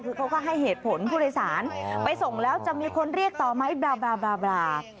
คือเขาก็ให้เหตุผลผู้โดยสารไปส่งแล้วจะมีคนเรียกต่อไหมบรา